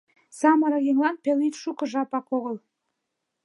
— Самырык еҥлан пелйӱд шуко жапак огыл.